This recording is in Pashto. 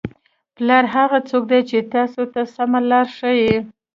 پلار هغه څوک دی چې تاسو ته سمه لاره ښایي.